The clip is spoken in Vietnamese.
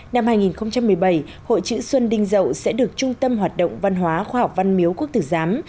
năm hai nghìn một mươi bảy hội chữ xuân đinh dậu sẽ được trung tâm hoạt động văn hóa khoa học văn miếu quốc tử giám